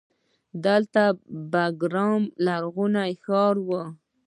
دلته د بیګرام لرغونی ښار و